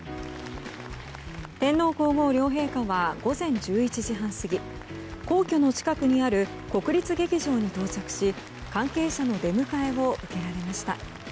天皇・皇后両陛下は午前１１半過ぎ皇居の近くにある国立劇場に到着し関係者の出迎えを受けられました。